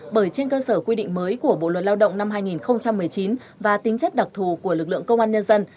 bởi trên cơ sở quy định mới của bộ luật lao động năm hai nghìn một mươi chín và tính chất đặc thù của lực lượng công an nhân dân